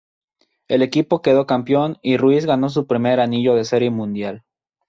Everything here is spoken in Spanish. El equipo quedó campeón y Ruiz ganó su primer anillo de Serie Mundial.